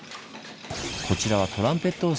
こちらはトランペットを製作中。